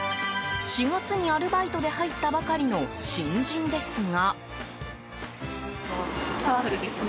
４月にアルバイトで入ったばかりの新人ですが。